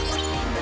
何？